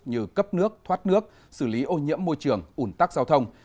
như cấp nước thoát nước xử lý ô nhiễm môi trường ủn tắc giao thông